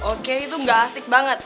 oke itu gak asik banget